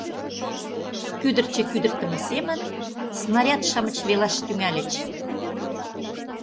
Кӱдырчӧ кӱдыртымӧ семын снаряд-шамыч велаш тӱҥальыч.